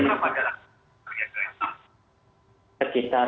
berapa jaraknya dari sakarya ke istanbul